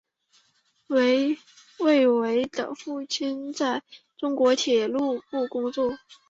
韦唯的父亲在中国铁道部工作。